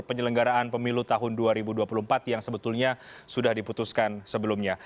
penyelenggaraan pemilu tahun dua ribu dua puluh empat yang sebetulnya sudah diputuskan sebelumnya